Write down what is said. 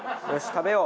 食べよう！